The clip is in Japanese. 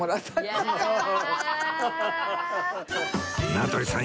名取さん